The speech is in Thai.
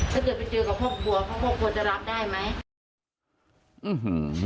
ถ้าเกิดไปเจอกับครอบครัวครอบครัวจะรับได้ไหม